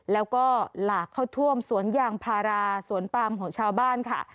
แล้วก็หลากเข้าท่วมสวนยางพาราสวนปามของชาวบ้านค่ะ